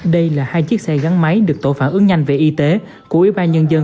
đây là hai chiếc xe gắn máy được tổ phản ứng nhanh về y tế của ủy ban nhân dân